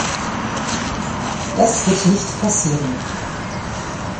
Das wird nicht passieren.